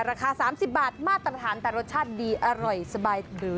ราคา๓๐บาทมาตรฐานแต่รสชาติดีอร่อยสบายหรือ